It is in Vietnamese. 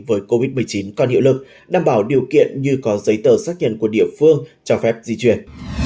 với covid một mươi chín còn hiệu lực đảm bảo điều kiện như có giấy tờ xác nhận của địa phương cho phép di chuyển